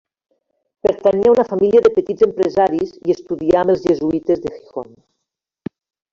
Pertanyia a una família de petits empresaris i estudià amb els jesuïtes de Gijón.